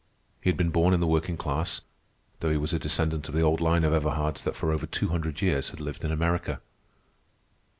He had been born in the working class, though he was a descendant of the old line of Everhards that for over two hundred years had lived in America.